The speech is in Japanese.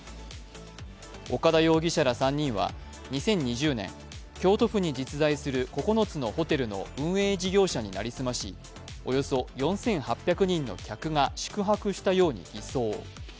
岡田容疑者ら３人は、２０２０年、京都府に実在する９つのホテルの運営事業者に成り済ましおよそ４８００人の客が宿泊したように偽装。